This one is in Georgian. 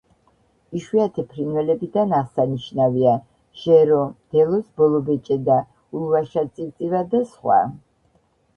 იშვიათი ფრინველებიდან აღსანიშნავია: ჟერო, მდელოს ბოლობეჭედა, ულვაშა წივწივა და სხვა.